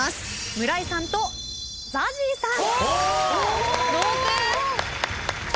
村井さんとＺＡＺＹさん。